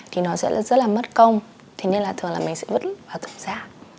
thì nó sẽ rất là mất công thế nên là thường là mình sẽ vứt vào tổng giá